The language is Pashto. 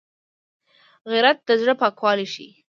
غیرت د زړه پاکوالی ښيي